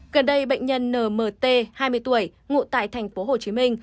gần đây bệnh nhân nmt hai mươi tuổi ngụ tại thành phố hồ chí minh